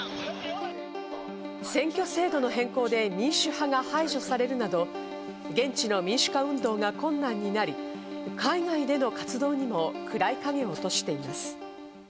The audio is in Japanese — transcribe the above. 選挙制度の変更で民主派が排除されるなど、現地の民主化運動が困難になり、海外での活動にも暗い影を落としています。